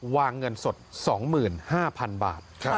เงินสด๒๕๐๐๐บาท